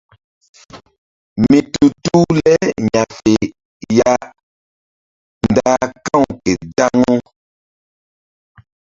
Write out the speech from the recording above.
Mi tu tu le ya̧fe ya nda ka̧w ke zaŋu.